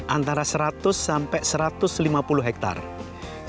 antara seratus sampai satu ratus lima puluh hektare